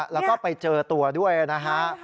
แล้วก็ไปเจอตัวด้วยนะฮะ